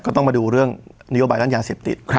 ก็ต้องมาดูเรื่องนโยบายด้านยาเสพติด